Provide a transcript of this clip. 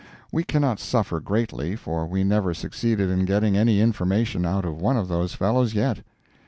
We cannot suffer greatly, for we never succeeded in getting any information out of one of those fellows yet.